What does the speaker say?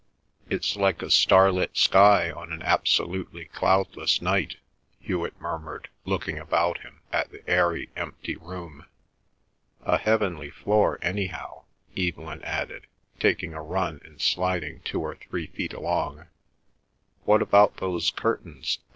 "It's like a starlit sky on an absolutely cloudless night," Hewet murmured, looking about him, at the airy empty room. "A heavenly floor, anyhow," Evelyn added, taking a run and sliding two or three feet along. "What about those curtains?"